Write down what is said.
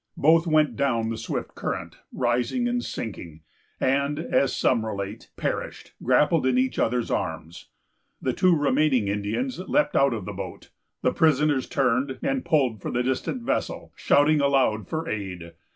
Both went down the swift current, rising and sinking; and, as some relate, perished, grappled in each other's arms. The two remaining Indians leaped out of the boat. The prisoners turned, and pulled for the distant vessel, shouting aloud for aid.